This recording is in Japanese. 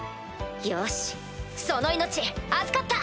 よしその命預かった！